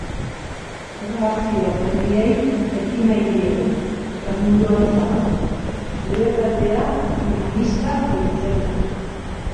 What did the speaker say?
Grabazio berriei ekin nahi diegu eta munduari zabaldu. Gure taldea Piñamixta deitzen da.